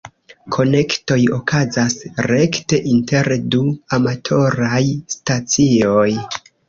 Konektoj okazas rekte inter du amatoraj stacioj.